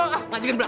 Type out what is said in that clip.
ya si jj gimana sih